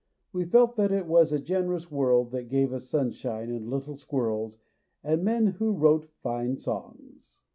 We felt that it was a generous world that gave us sunshine THE POET WHO WAS 219 and little squirrels and men who wrote 'fine songs.